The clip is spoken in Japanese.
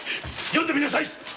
読んでみなさい！